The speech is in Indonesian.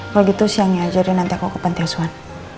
kalau gitu siangnya aja deh nanti aku ke pantai suan